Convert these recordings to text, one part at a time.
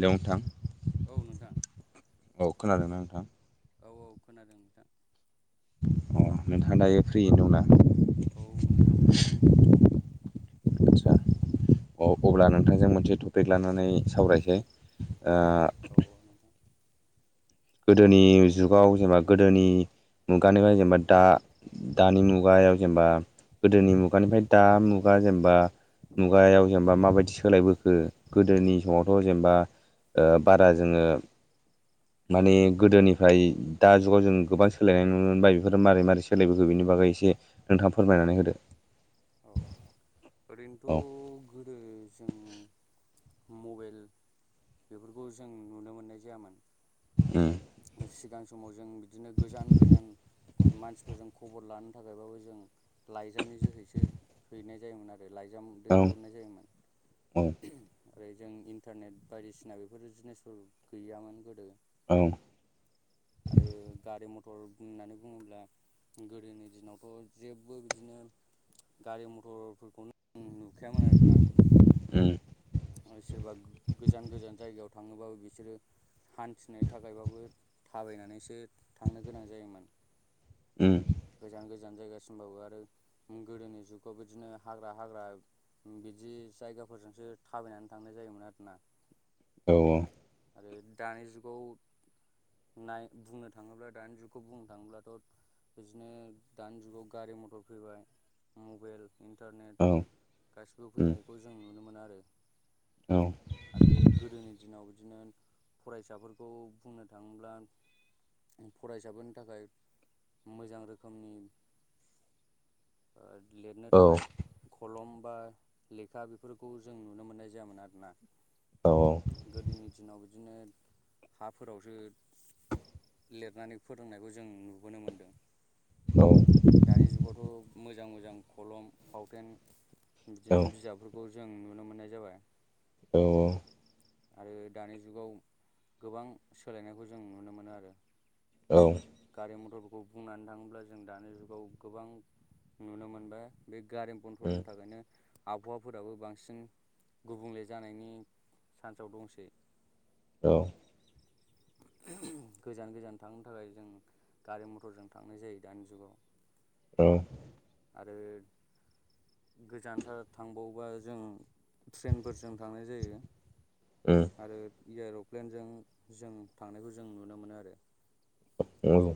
लंथां औ नोंथां औ खोनादोंना नोंथां औ औ खोनादों नोंथां अ नोंथां दायो फ्रियैनो दंना औ नोंथां फैयानो आचसा अ अब्ला नोंथांजों मोनसे टपिक लानानै सावरायसै औ औ नोंथां गोदोनि जुगाव जेनेबा गोदोनि मुगानिफ्राय जेनेबा दा दानि मुगायाव जेनेबा गोदोनि औ मुगानिफ्राय दा मुगा जेनेबा मुगायाव जेनेबा माबायदि सोलायबोखो गोदोनि औ समावथ' जेनेबा बारा जोङो माने गोदोनिफ्राय दा जुगाव जों गोबां सोलायनाय नुनो मोनबाय बेफोर मारै मारै सोलायबोखो बेनि बागै एसे नोंथाङा फोरमायनानै होदो औ औ ओरैनोथ' गोदो जों मबाइल बेफोरखौ जों नुनो मोननाय जायामोन सिगां समाव जों बिदिनो गोजान गोजान मानसिफोरजों खबर लानो थाखायबाबो जों लाइजामनि जोहै बि हैनाय जायोमोन आरो लाइजाम उम औ दैथायहरनाय जायोमोन औ ओरै जों इन्टारनेट बायदिसिना बेफोर जिनिसफोर गैयामोन गोदो औ आरो गारि मथर होननानै बुङोब्ला गोदोनि दिनावथ' जेबो बिदिनो गारि मथरफोरखौनो नुखायामोन आरोना उम सोरबा गोजान गोजान जायगायाव थाङोबाबो बिसोरो हान्थिनो थाखायबाबो थाबायनानैसो थांनो गोनां जायोमोन उम गोजान गोजान जायगासिमबावो आरो गोदोनि जुगाव बिदिनो हाग्रा हाग्रा बिदि जायगाफोरजोंसो थाबायनानै थांनाय जायोमोन आरोना औ आरो दानि जुगाव नाय बुंनो थाङोब्ला दानि जुगखौ बुंनो थाङोब्लाथ' बिदिनो दानि जुगाव गारि मथर फैबाय मबाइल इन्टारनेट औ गासिबो उम फैनायखौ जों नुनो मोनो आरो औ आरो गोदोनि दिनाव बिदिनो फरायसाफोरखौ बुंनो थाङोब्ला फरायसाफोरनि थाखाय मोजां रोखोमनि लिरनो औ थाखाय खलम बा लेखा बेफोरखौ जों नुनो मोननाय जायामोन आरोना औ गोदोनि दिनाव बिदिनो हाफोरावसो लिरनानै फोरोंनायखौ जों नुबोनो मोन्दों न' दानि जुगावथ' मोजां मोजां खलम फावथेन औ बिदिनो उम बिजाब खौ जों नुनो मोननाय जाबाय औ आरो दानि जुगाव गोबां सोलायनायखौ जों नुनो मोनो आरो औ गारि मथरफोरखौ बुंनानै थाङोब्ला जों दानि जुगाव गोबां नुनो मोनबाया बे गारि बथ'नि थाखायनो आबहावाफोराबो बांसिन गुबुंले जानायनि सानसेआव दंसै औ गोजान गोजान थांनो थाखाय जों गारि मथरजों थांनाय जायो दानि जुगाव औ आरो गोजानथार थांबावबा जों ट्रेनफोरजों थांनाय जायो उम आरो एर'प्लेनजों जों थांनायखौ जों नुनो मोनो आरो औ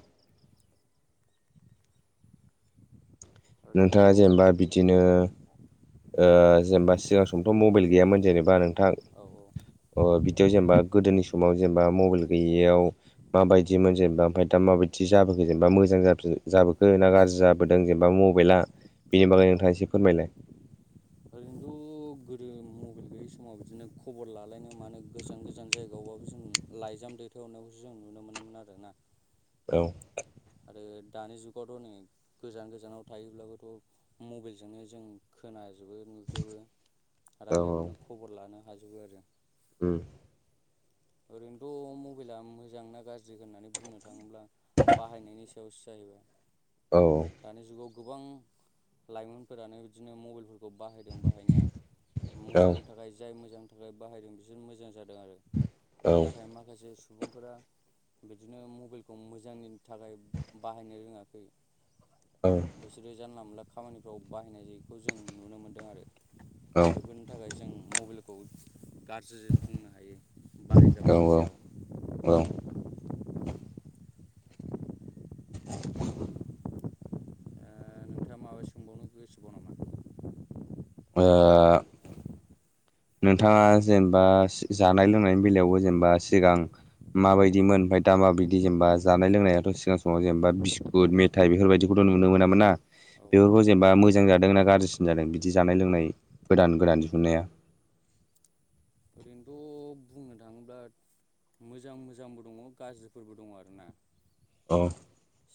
नोंथाङा ओरैनोथ' जेनेबा बिदिनो जेनेबा सिगां समथ' मबाइल गैयामोन जेनेबा नोंथां औ बिदियाव जेनेबा गोदोनि समाव जेनेबा मबाइल गैयैयाव माबायदिमोन जेनेबा ओमफ्राय दा माबायदि जाबोखो जेनेबा मोजां जाबोखो ना गाज्रि जोदों जेनेबा मब मबाइला बेनि बागै औ नोंथाङा एसे फोरमायलाय ओरैनोथ' गोदो मबाइल गैयै समाव बिदिनो खबर लालायनो मानो गोजान गो गोजान जायगायावबाबो जों लाइजाम दैथहरनायखौसो जों नुनो मोनोमोन आरोना औ आरो दानि जुगावथ' नै गोजान गोजानाव थायोब्लाबोथ' मबाइलजोंनो जों खोनादों हाजोबो नुजोबो औ रायजलायबनो खबर लानो हाजोबो आरो उम ओरैनोथ' मबाइला मोजां ना गाज्रि होननानै बुंनो थाङ थाङोब्ला बाहायनायनि सायावसो जाहैबाय औ दानि जुगाव गोबां लाइमोनफोरानो बिदिनो मबाइलफोरखौ बाहायदों बाहायनाया औ मोजां थाखाय जाय मोजांनि थाखाय बाहायदों बिसोर मोजां जादों आरो औ नाथाय माखासे सुबुंफोरा बिदिनो मबाइलखौ मोजांनि थाखाय बाहायनो रोङाखै औ बिसोरो जानला मोनला खामानिफ्राव बाहायनाय जायखौ जों नुनो मोनदों आरो औ गुबनि थाखाय जों मबाइलखौ गाज्रि बुंनो हायो औ बाहायग्राफोरनि सायाव औ दा नोंथाङा माबा सोंबावनो गोसोबाव नामा? ओ नोंथाङा जेनेबा जानाय लोंनायनि बेलायावबो जेनेबा सिगां माबायदिमोन ओमफ्राय दा मााबायदि जेनेबा जानाय लोंनायाथ' सिगां समाव जेनेबा बि गुद मेथाइ बेफोरबायदिखौथ' नुनो मोनामोन ना औ बेफोरखौ जेनेबा मोजां जादों ना गाज्रिसिन जादों बिदि जानाय लोंनाय गोदान गोदान दिहुननाया ओरैनोथ' बुंनो थाङोब्ला मोजां मोजांबो दङ गाज्रिफोरबो दङ आर ना औ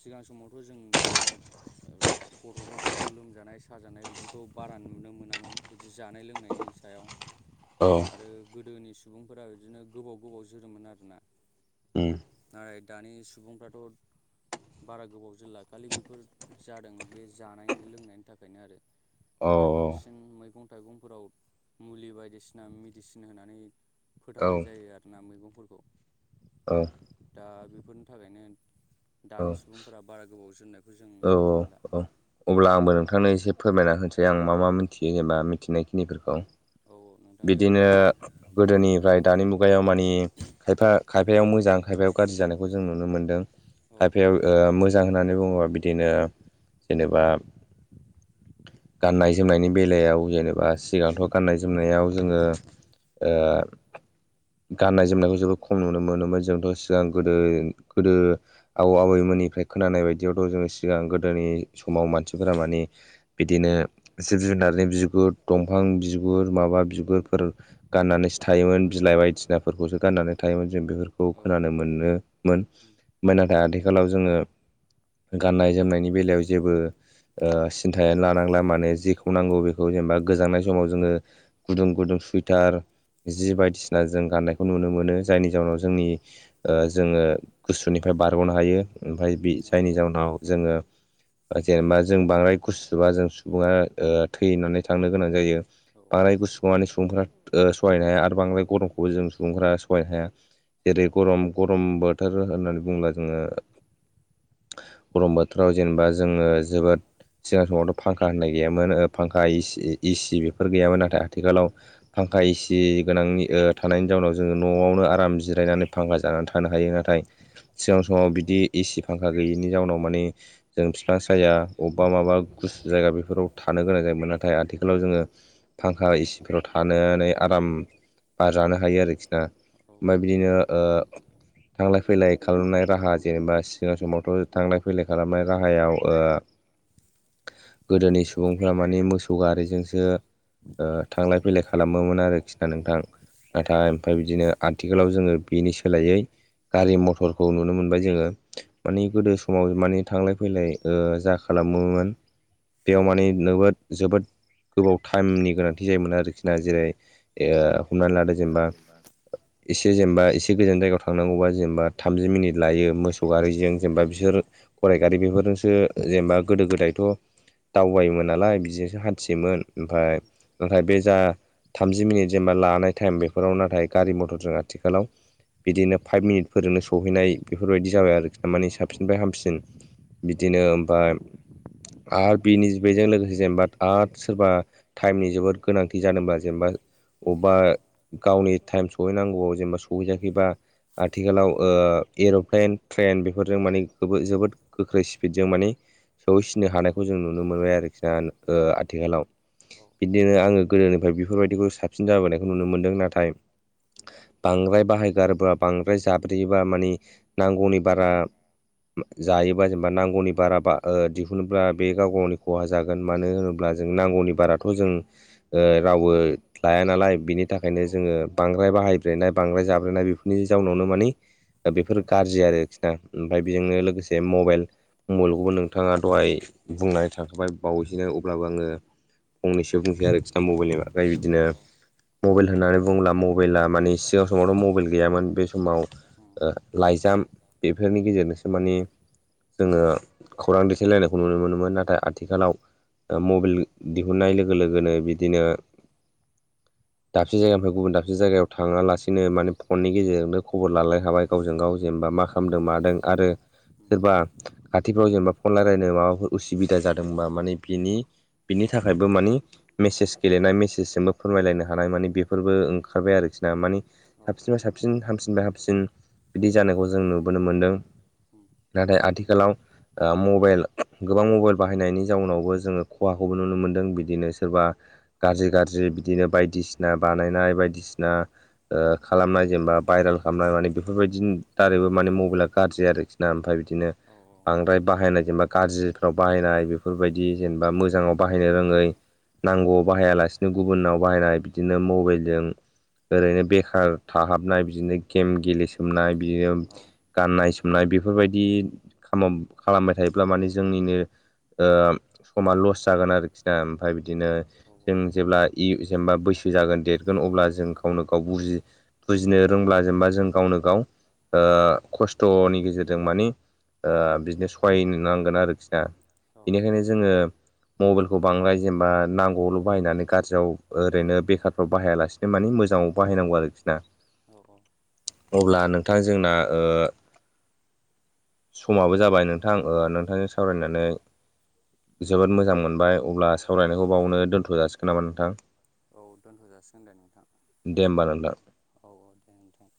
सिगां समावथ' जों बिदिनो गथ'फोरखौ लोमजानाय साजानाय बिदि खौ बारा नुनो मोनामोन बिदि जानाय लोंनायनि सायाव औ आरो गोदोनि सुबुंफोरा बिदिनो गोबाव गोबाव जोरोमोन आरोना। उम नाथाय दानि सुबुंफ्राथ' बारा गोबाव जोरला खालि बेफोर जादों बे जानाय लोंनायनि थाखायनो आरो। औ बे बांसिन मैगं थाइगंफोराव मुलि बायदिसिना मेडिसिन होनानै औ फोथांनाय जायो आरोना मैगंफोरखौ औ दा बेफोरनि थाखायनो दानि सुबुंफोरा बारा गोबाव जोरनाय औ औ औ अब्ला आंबो नोंथांनो एसे फोरमायना होनोसै आं मा मा मिथियो जेनेबा मिथिनायखिनिफोरखौ औ नोंथां दे बिदिनो फोरमायदो गोदोनिफ्राय दानि मुगायाव मानि खायफा खायफायाव मोजां खायफायाव गाज्रि जानायखौ जों नुनो मोनदों औ खायफायाव मोजां होननानै बुङोबा बिदिनो जेनेबा गाननाय जोमनायनि बेलायाव जेनेबा सिगांथ' गाननाय जोमनायाव जोङो ओ गाननाय जोमनायखौ जोबोद खम नुनो मोनोमोन जोंथ' सिगां गोदो गोदो आबौ आबैमोननिफ्राय खोनानाय बायदियावथ' जोङो सिगां गोदोनि समाव मानसिफोरा मानिे बिदिनो जिब जुनारनि बिगुर दंफां बिगुर माबा बि बिगुरफोर गाननानैसो थायोमोन बिलाइ बायदिसिनाफोरखौसो गाननानै थायोमोन जों बेफोरखौ औ खोनानो मोनोमोन उम नाथाय आथिखालाव जोङो गाननाय जोमनायनि बेलायाव जेबो सिन्थायानो लानांला माने जेखौ नांगौ बेखौ जेनेबा गोजांनाय समाव जोङो गुदुं गुदुं सुइटार जि बायदिसिना जों गाननायखौ नुनो मोनो जायनि जाउनाव जोंनि ओ जोङो गुसुनिफ्राय बारगनो हायो ओमफ्राय बि औ जायनि जाहोनाव जोङो जेनेबा जों बांद्राय गुसुबा जों सुबुङा थैनानै थांनो गोनां जायो। औ बांद्राय गुसु माने सुबुंफोरा सहायनो हाया आरो बांद्राय गरमखौबो जों सुबुंफोरा सहायनो हाया जेरै गरम गरम बोथोर होननानै बुंङोब्ला जोङो गरम बोथोराव जेनेबा जोङो जोबोद सिगां समावथ फांखा होननाय गैयामोन फांखा औ उम औ औ एसि एसि बेफोर गैयामोन नाथाय आथिखालाव फांखा इसि गोनांनि ओ थानायनि जाउनाव जोङो न'आवनो आराम जिरायनानै फांखा जानानै थानो हायो नाथाय सिगां समाव बिदि एसि फांखा गैयिनि जाउनाव माने जों बिफां साया अबेबा माबा गुसु जायगा बेफोराव थानो गोनां जायोमोन आरो नाथाय आथिखालाव जोङो फांखा एसिफोराव थानानै आराम बार जानो हायो आरोखि ना ओमफ्राय बिदिनो थांलाय फैलाय खालामनाय राहा जेनेबा सिगां समावथ थांलाय फैलाय खालामनाय गाहायाव ओ गोदोनि सुबुंफ्रा माने मोसौ गारिजोंसो ओ थांलाय फैलाय खालामोमोन आरोखिना नोंथां औ नाथाय ओमफ्राय बिदिनो आथिखालाव जोङो बेनि सोलायै गारि मथरखौ नुनो मोनबाय जोङो माने उम गोदो समाव माने थांलाय फैलाय ओ जा खालामोमोन बेयाव माने नोबोद जोबोद गोबाव टाइमनि गोनांथि जायोमोन आरोखिना जेरै ए हमनानै लादो जेनेबा एसे जेनेबा एसे गोजान जायगायाव थांनांगौबा जेनेबा थामजि मिनिट लायो मोसौ सौ गारिजों औ जेनेबा बिसोर गरायगारि बेफोरजोंसो जेनेबा गोदो गोदायथ दावबायोमोन नालाय बिदि हानथियोमोन ओमफ्राय नाथाय बे जा थामजि मिनिट जेनेबा लानाय टाइम बेफोराव नाथाय गारि मथरजों आथिखालाव बिदिनो फाइभ मिनिटफोरजोंनो सौहैनाय बेफोरबायदि जाबाय आरोखि ना माने साबसिनफ्राय हामसिन बिदिनो ओमफ्राय आरो बिनि बेजों लोगोसे जेनेबा आरो सोरबा टाइमनि जोबोद गोनांथि जादोंबा जेनेबा अबेबा गावनि टाइम सहैनांगौआव जेनेबा सहैयाखैबा आथिखालाव ओ एरप्लेन ट्रेन बेफोरजों माने जोबोद गोख्रै स्पिडजों माने सौहैसिनो हानायखौ जों नुनो मोनबाय आरोखिना आथिखालाव बिदिनो आङो गोदोनिफ्राय बेफोरबायदिखौ साबसिन जाबोनायखौ नुनो मोनदों नाथाय बांद्राय बाहायगारोबा बांद्राय जाब्रेयोबा मानि नांगौनि बारा जायोबा जेनेबा नांगौनि बाराबा दिहुनोब्ला बे गाव गावनो खहा जागोन मानो होनोब्ला जों नांगौनि बाराथ जों रावबो लाया नालाय बिनि थाखायनो जोङो बांद्राय बाहायब्रेनाय बांद्राय जाब्रेनाय बेफोरनि जाउनावनो माने बेफोर गाज्रि आरोखिना ओमफ्राय बेजोंनो लोगोसे मबाइल मबाइलखौबो नोंथाङा दहाय बुंनानै थांखाबाय बावैसो अब्लाबो आङो फंनैसो बुंफिनबाय आरो खि ना ओमफ्राय बिदिनो मबाइल होननानै बुङोब्ला मबाइला माने सिगां समावथ मबाइल गैयामोन बे समाव लाइजाम बेफोरनि गेजेरजोंसो माने जोङो खौरां दैथायलायनायखौ नुनो मोनोमोन नाथाय आथिखालाव मबाइल दिहुननाय लोगो लोगोनो बिदिनो दाबसे जायगानिफ्राय गुबुन दाबसे जायगायाव थाङालासिनो माने फननि गेजेरजोंनो खबर लालायनो हाबाय गावजों गाव जेनेबा मा खालामदों मादों आरो सोरबा खाथिफ्राव जेनेबा फन रायलायनो माबाफोर उसुबिदा जादोंबा माने बिनि बिनि थाखायबो मानि मेसेज गेलेनाय मेसेजजोंबो फोरमायलायनो हानाय मानिे बेफोरबो ओंखारबाय आरोखिना मानि साबसिनफ्राय साबसिन हामसिनब हामसिन बिदि जानायखौ जों नुबोनो मोन्दों उम नाथाय आथिखालाव मबाइल गोबां मबाइल बाहायनायनि जाउनावबो जोङो खहाखौबो नुनो मोनदों बिदिनो सोरबा गाज्रि गाज्रि बिदिनो बायदिसिना बानायनाय बायदिसिना खालामनाय जेनेबा भाइरेल खालामनाय माने बेफोरबायदिनि दारैबो माने मबाइला गाज्रि आरोखि नो ओमफ्राय बिदिनो औ बांद्राय बाहायनाय जेनेबा गाज्रिफ्राव बाहायनाय बेफोरबायदि जेनेबा मोजाङाव बाहायनो रोङै नांगौ बाहायालासिनो गुबुननाव बाहायनाय बिदिनो मबाइलजों ओरैनो बेखार थाहाबनाय बिदिनो गेम गेलेसोमनाय बिदिनो औ औ गाननाय जोमनाय बेफोर बेफोरबायदि खा खालामबाय थायोब्ला माने जोंनिनो समा लस जागोन आरोखिना ओमफ्राय बिदिनो जों जेब्ला इ जेनेबा बैसो जागोन देरगोन अब्ला जों गावनो गाव बुजि बुजिनो रोंब्ला जेनेबा जों गावनो गाव खस्थ'नि गेजेरजों जों मानि बिदिनो सहाय नांगोन आरोखि ना औ बेनिखायनो जोङो मबाइलखौ बांद्राय जेनेबा नांगौआवल' बाहायनानै गाज्रियाव ओरैनो बेखारफ्राव बाहायालासिनो माने मोजाङाव बाहायनांगौ आरोखि ना औ औ अब्ला नोंथां जोंना समाबो जाबाय नोंथां नोंथांजों सावरायनानै जोबोद मोजां मोनबाय अब्ला सावरायनायखौ बावनो दोन्थ' जासिगोन नामा नोंथां औ दोनथ' जाासिगोन दे नोंथां दे होमबा नोंथां औ औ दे नोंथां